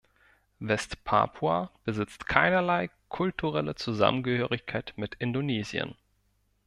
West-Papua besitzt keinerlei kulturelle Zusammengehörigkeit mit Indonesien.